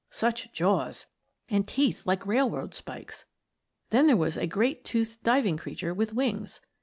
Such jaws! And teeth like railroad spikes! Then there was a great toothed diving creature with wings.